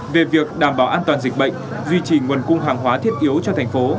về việc đảm bảo an toàn dịch bệnh duy trì nguồn cung hàng hóa thiết yếu cho thành phố